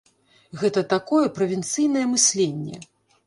Гэта такое правінцыйнае мысленне.